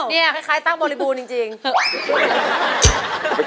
กายใช่แล้วคือตั้กบริหุ่นจริง